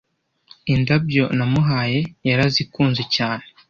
Indabyo namuhaye yarazikunze cyane